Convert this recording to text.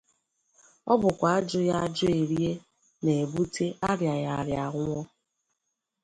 Ọ bụkwa ajụghị ajụ e rie na-ebute arịaghị arịa a nwụọ.